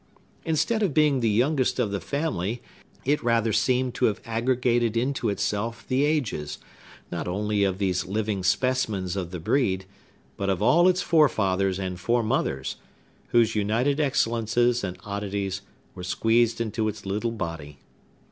Instead of being the youngest of the family, it rather seemed to have aggregated into itself the ages, not only of these living specimens of the breed, but of all its forefathers and foremothers, whose united excellences and oddities were squeezed into its little body.